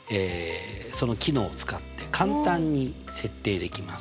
その機能を使って簡単に設定できます。